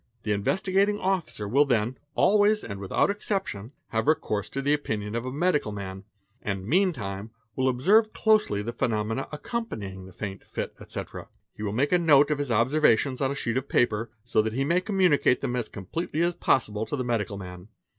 The Investigating Officer will then, always and without exception, have recourse to the opinion of a medical man, and meantime will observe | closely the phenomena accompanying the faint, fit, etc.; he will make a Ja) 70 A A A a AA NRRL ALN A SR noah ———| note of his observations on a sheet of paper, so that he may communicate ; them as completely as possible to the medical man.